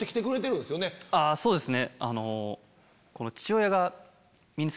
そうですね。